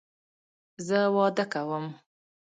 زه واده کوم